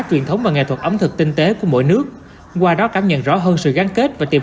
truyền thống và nghệ thuật ẩm thực tinh tế của mỗi nước qua đó cảm nhận rõ hơn sự gắn kết và tiềm